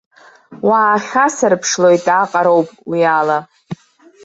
Уаахьасырԥшлоит аҟароуп уи ала.